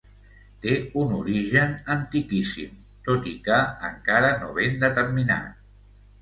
Té un origen antiquíssim, tot i que encara no ben determinat.